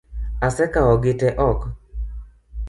Asekawo gite ok.